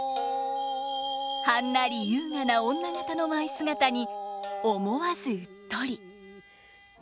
はんなり優雅な女方の舞姿に思わずうっとり。